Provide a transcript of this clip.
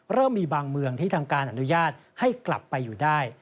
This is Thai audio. เริ่มมีบางเมืองที่ทางการอนุญาตให้กลับไปอยู่ได้